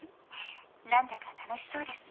何だか楽しそうですね